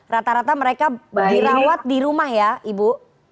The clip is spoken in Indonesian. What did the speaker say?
rata rata mereka dirawat di rumah ya ibu